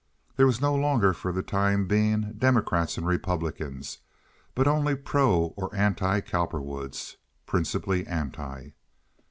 There were no longer for the time being Democrats and Republicans, but only pro or anti Cowperwoods—principally anti.